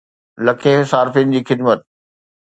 لکين صارفين جي خدمت